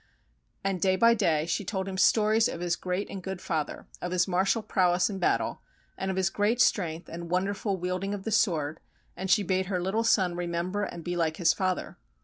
And day by day she told him stories of his great and good father — of his martial prowess in battle, and of his great strength and wonderful wielding of the sword, and she bade her little son remember and be like his father.